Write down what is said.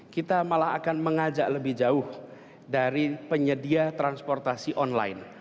kita malah akan mengajak lebih jauh dari penyedia transportasi online